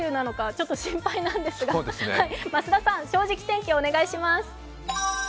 本当に心配なんですが増田さん、「正直天気」お願いします。